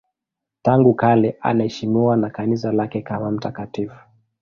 Tangu kale anaheshimiwa na Kanisa lake kama mtakatifu.